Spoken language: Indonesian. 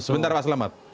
sebentar pak selamat